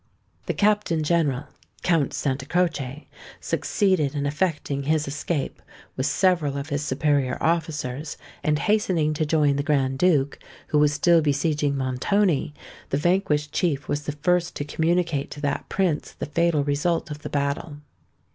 The Captain General, Count Santa Croce, succeeded in effecting his escape, with several of his superior officers; and, hastening to join the Grand Duke, who was still besieging Montoni, the vanquished chief was the first to communicate to that Prince the fatal result of the battle.